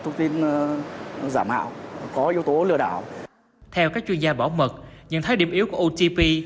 thông tin giảm hảo có yếu tố lừa đảo theo các chuyên gia bỏ mật nhận thấy điểm yếu của otp